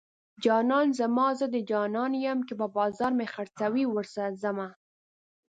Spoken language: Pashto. جانان زما زه د جانان یم که په بازار مې خرڅوي ورسره ځمه